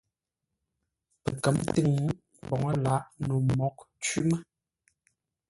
Pəkə̌m tʉ̂ŋ mboŋə́ lǎʼ no mǒghʼ cwí mə́.